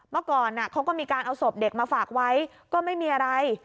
เมื่อก่อนเขาก็มีการเอาศพเด็กมาฝากไว้ก็ไม่มีอะไร